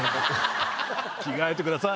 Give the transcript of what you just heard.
着替えてください。